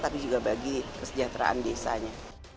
tapi juga bagi kesejahteraan desanya